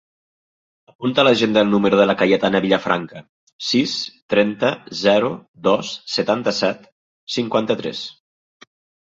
Apunta a l'agenda el número de la Cayetana Villafranca: sis, trenta, zero, dos, setanta-set, cinquanta-tres.